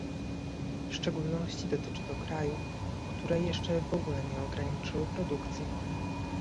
W szczególności dotyczy to krajów, które jeszcze w ogóle nie ograniczyły produkcji